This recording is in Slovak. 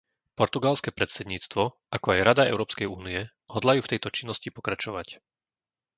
Portugalské predsedníctvo, ako aj Rada Európskej únie, hodlajú v tejto činnosti pokračovať.